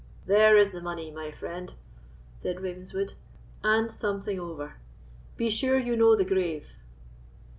"There is the money, my friend," said Ravenswood, "and something over. Be sure you know the grave."